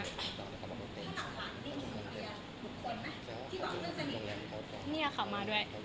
นี่ค่ะ